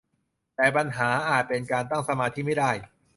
แต่ปัญหาอาจเป็นการตั้งสมาธิไม่ได้